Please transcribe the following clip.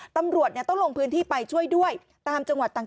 ตำรวจต้องลงพื้นที่ไปช่วยด้วยตามจังหวัดต่าง